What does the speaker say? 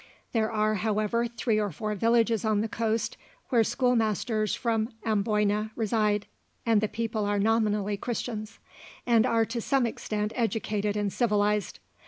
There are, however, three or four villages on the coast where schoolmasters from Amboyna reside, and the people are nominally Christians, and are to some extent educated and civilized.